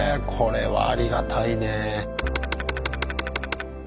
これはありがたいね。